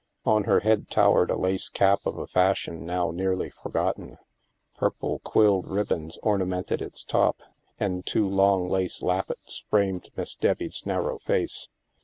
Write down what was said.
On her head towered a lace cap of a fashion now nearly forgotten; purple quilled ribbons orna mented its top, and two long lace lappets framed Miss Debbie's narrow face.